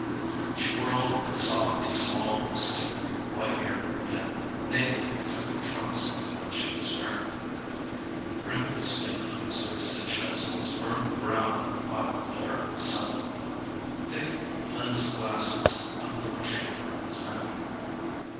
She whirled and saw a small, stooped, white haired man, naked except for trunks like the ones she was wearing. The wrinkled skin on his wasted chest was burned brown by the hot glare of the sun. Thick lensed glasses hung from a chain around his neck.